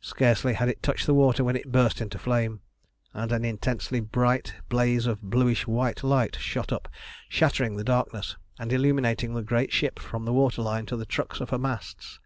Scarcely had it touched the water when it burst into flame, and an intensely bright blaze of bluish white light shot up, shattering the darkness, and illuminating the great ship from the waterline to the trucks of her masts.